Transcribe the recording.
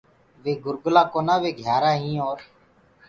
وي گُرگلآ ڪونآ وي گھيآرآ هينٚ اور